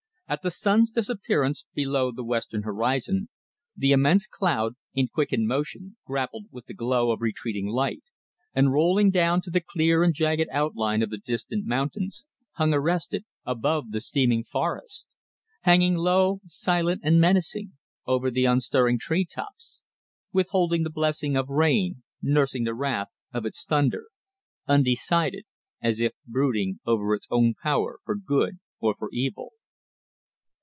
At the sun's disappearance below the western horizon, the immense cloud, in quickened motion, grappled with the glow of retreating light, and rolling down to the clear and jagged outline of the distant mountains, hung arrested above the steaming forests; hanging low, silent and menacing over the unstirring tree tops; withholding the blessing of rain, nursing the wrath of its thunder; undecided as if brooding over its own power for good or for evil.